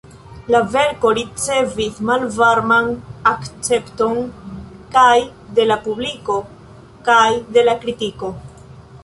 La verko ricevis malvarman akcepton, kaj de la publiko kaj de la kritiko.